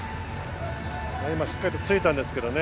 今、しっかりとついたんですけどね。